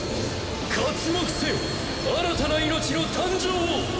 かつもくせよ新たな命の誕生を！